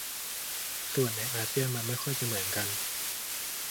ส่วนในอาเซียนมันไม่ค่อยจะเหมือนกัน